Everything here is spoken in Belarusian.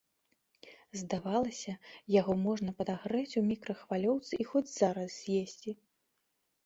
Здавалася, яго можна падагрэць у мікрахвалёўцы і хоць зараз з'есці.